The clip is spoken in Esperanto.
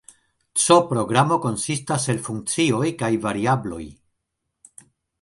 C-programo konsistas el funkcioj kaj variabloj.